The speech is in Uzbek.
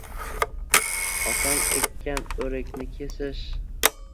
Otang ekkan oʼrikni kesish.